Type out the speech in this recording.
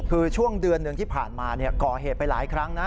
คือช่วงเดือนหนึ่งที่ผ่านมาก่อเหตุไปหลายครั้งนะ